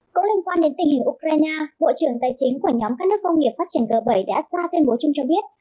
cũng liên quan đến tình hình ukraine bộ trưởng tài chính của nhóm các nước công nghiệp phát triển g bảy đã ra tuyên bố chung cho biết